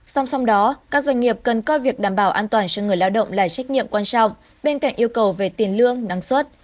song song đó các doanh nghiệp cần coi việc đảm bảo an toàn cho người lao động là trách nhiệm quan trọng bên cạnh yêu cầu về tiền lương năng suất